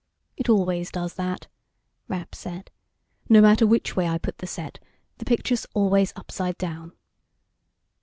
"It always does that," Rapp said. "No matter which way I put the set, the picture's always upside down."